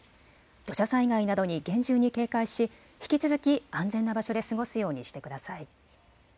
土砂災害などに厳重に警戒し、引き続き安全な場所で過ごすようにしてください。